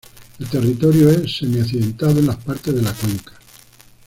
El territorio es semi-accidentado en las partes de la cuenca.